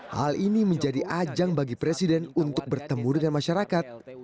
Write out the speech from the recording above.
hal ini menjadi ajang bagi presiden untuk bertemu dengan masyarakat